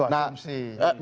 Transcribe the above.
nah itu asumsi